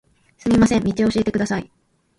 すみません、道を教えてください。